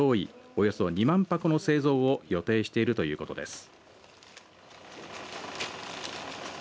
およそ２万箱の製造を予定しているということです。